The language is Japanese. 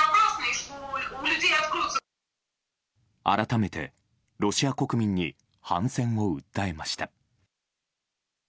改めてロシア国民に反戦を訴えました。